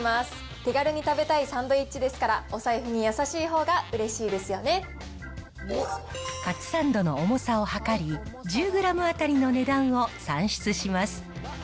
手軽に食べたいサンドイッチですから、お財布に優しいほうがうれカツサンドの重さを量り、１０グラム当たりの値段を算出します。